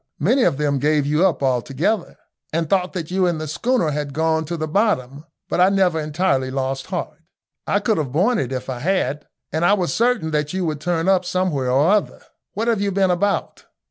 Many of them gave you up altogether, and thought that you and the schooner had gone to the bottom, but I never entirely lost heart. I couldn't have borne it if I had, and I was certain that you would turn up somewhere or other. What have you been about?"